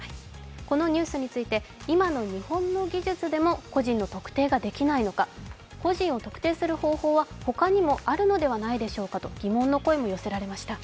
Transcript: このニュースについて今の日本の技術でも個人の特定ができないのか、個人を特定する方法は他にもあるのではないでしょうと疑問の声も寄せられました。